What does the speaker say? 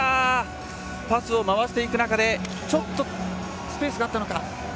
パスを回していく中でちょっとスペースがあったのか。